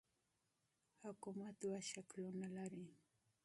حکومت دوه شکلونه لري.